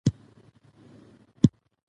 ازادي راډیو د سیاست په اړه د عبرت کیسې خبر کړي.